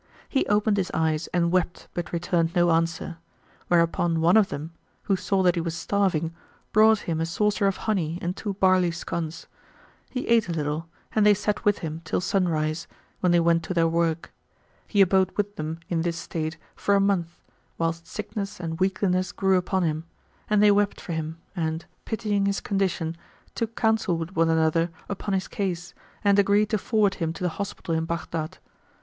He opened his eyes and wept but returned no answer; whereupon one of them, who saw that he was starving, brought him a saucer of honey and two barley scones. He ate a little and they sat with him till sun rise, when they went to their work. He abode with them in this state for a month, whilst sickness and weakliness grew upon him; and they wept for him and, pitying his condition, took counsel with one another upon his case and agreed to forward him to the hospital in Baghdad.